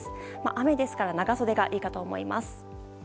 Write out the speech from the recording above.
雨ですから長袖がいいかと思います。